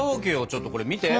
ちょっとこれ見て！